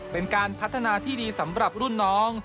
เป็นการพัฒนาที่ดีสำหรับรุ่นน้อง